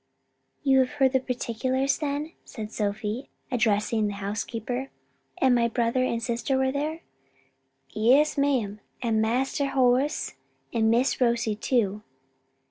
"You have heard the particulars then?" said Sophie, addressing the housekeeper. "And my brother and sister were there?" "Yes, ma'am, and Master Horace, and Miss Rosie too.